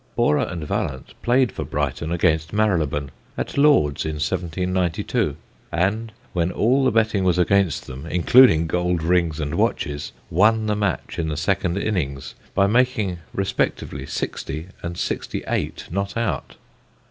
Borrer and Vallance played for Brighton against Marylebone, at Lord's, in 1792, and, when all the betting was against them, including gold rings and watches, won the match in the second innings by making respectively 60 and 68 not out.